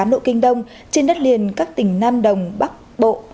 một trăm linh năm tám độ kinh đông trên đất liền các tỉnh nam đồng bắc bộ